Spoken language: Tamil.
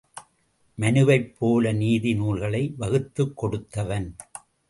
மனுவைப் போல நீதி நூல்களை வகுத்துக் கொடுத்தவன்.